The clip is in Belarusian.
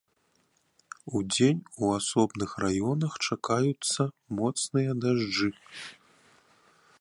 Удзень у асобных раёнах чакаюцца моцныя дажджы.